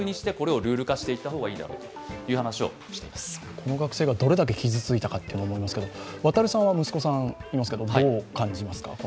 この学生がどれだけ傷ついたかと思いますけど、亘さんは息子さんいますけどどう感じますか？